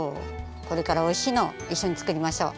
これからおいしいのいっしょに作りましょう！